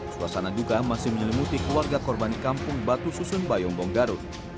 suasana duka masih menyelimuti keluarga korban kampung batu susun bayombong garut